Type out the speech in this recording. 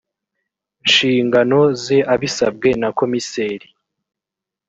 nshingano ze abisabwe na komiseri